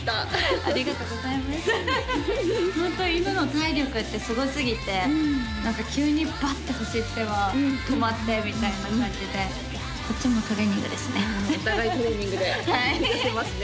ありがとうございましたホント犬の体力ってすごすぎて何か急にバッて走っては止まってみたいな感じでどっちもトレーニングですね